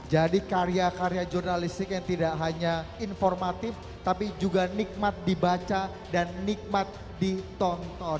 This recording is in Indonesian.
jadi karya karya jurnalistik yang tidak hanya informatif tapi juga nikmat dibaca dan nikmat ditonton